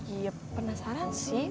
iya penasaran sih